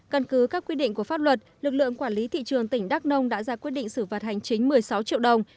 căn cứ các quy định của pháp luật lực lượng quản lý thị trường tỉnh đắk nông đã ra quyết định xử phạt hành chính một mươi sáu triệu đồng